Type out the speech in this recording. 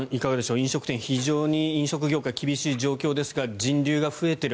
飲食店、非常に飲食業界苦しい状況ですが人流が増えている